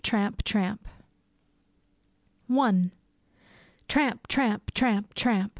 TRAMP! TRAMP I Tramp! tramp! tramp! tramp!